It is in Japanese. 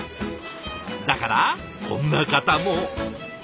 だからこんな方も。